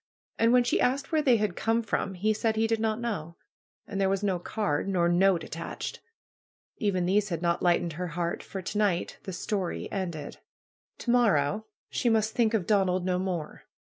And when she asked where they had come from he said he did not know. And there was no card, nor note at tached. Even these had not lightened her heart. For to night 'Hhe story" ended ! To morrow she must think of Donald no more.